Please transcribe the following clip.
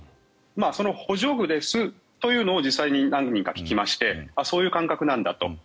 その補助具ですというのを実際に何人か聞きましてそういう感覚なんだと。